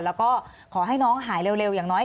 แล้วก็ขอให้น้องหายเร็วอย่างน้อย